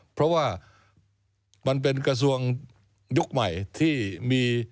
เพราะว่ามันเป็นกระทรวงยุคใหม่ที่มี